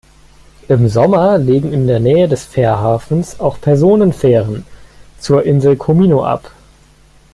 Im Sommer legen in der Nähe des Fährhafens auch Personenfähren zur Insel Comino ab.